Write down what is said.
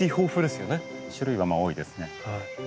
種類はまあ多いですね。